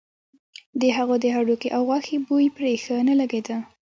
د هغه د هډوکي او غوښې بوی پرې ښه نه لګېده.